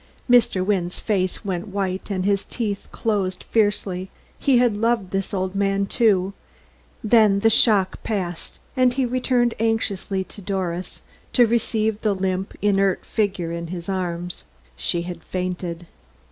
Mr. Wynne's face went white, and his teeth closed fiercely; he had loved this old man, too; then the shock passed and he turned anxiously to Doris to receive the limp, inert figure in his arms. She had fainted.